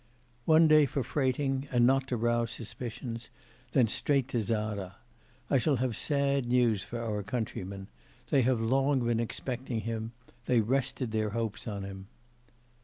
'One day for freighting and not to rouse suspicions, and then straight to Zara. I shall have sad news for our countrymen. They have long been expecting him; they rested their hopes on him.